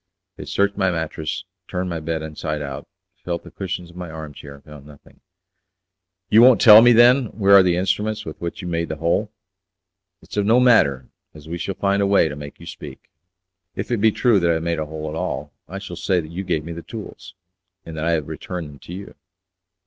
They searched my mattress, turned my bed inside out, felt the cushions of my arm chair, and found nothing. "You won't tell me, then, where are the instruments with which you made the hole. It's of no matter, as we shall find a way to make you speak." "If it be true that I have made a hole at all, I shall say that you gave me the tools, and that I have returned them to you."